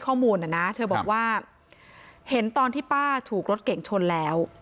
ข้อมูลนะนะเธอบอกว่าเห็นตอนที่ป้าถูกรถเก่งชนแล้ว